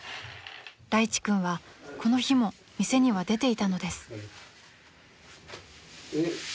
［らいち君はこの日も店には出ていたのです］